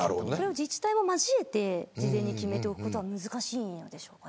自治体も交えて事前に決めることは難しいんでしょうか。